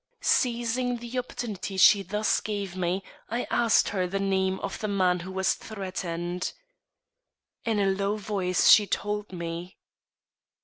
Seizing the opportunity she thus gave me, I asked her the name of the man who was threatened. In a low voice she told me.